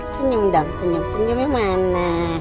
senyum dong senyum senyum yang mana